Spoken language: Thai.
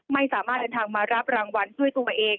ไม่สามารถเดินทางมารับรางวัลด้วยตัวเอง